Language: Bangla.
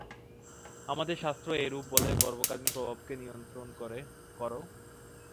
আমাদের শাস্ত্র এইরূপ বলে গর্ভকালীন প্রভাবকে নিয়ন্ত্রণ কর।